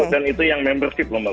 dan itu yang membership loh mbak